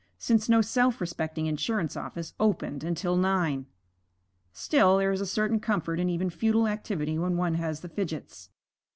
since no self respecting insurance office opened until nine. Still there is a certain comfort in even futile activity when one has the fidgets.